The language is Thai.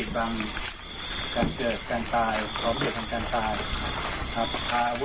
โดยให้จัดส่วนท่านขอแทนนะครับ